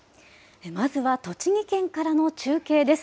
まずは栃木県からの中継です。